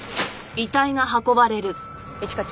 一課長。